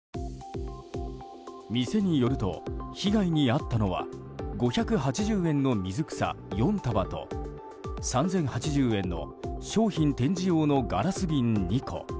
店によると、被害に遭ったのは５８０円の水草４束と３０８０円の商品展示用のガラス瓶２個。